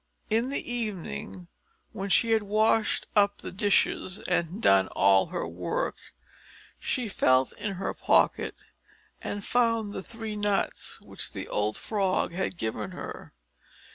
In the evening, when she had washed up the dishes, and had done all her work, she felt in her pocket, and found the three nuts which the old frog had given her.